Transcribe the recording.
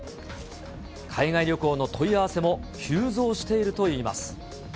海外旅行の問い合わせも急増しているといいます。